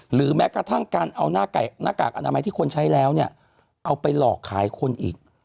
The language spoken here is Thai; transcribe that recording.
หรือแม้กระทั่งการเอาหน้ากากอนามัยที่คนใช้แล้วเนี่ยเอาไปหลอกขายคนอีก